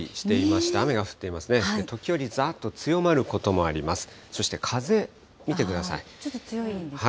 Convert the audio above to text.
そして時折ざーっと強まることもあります。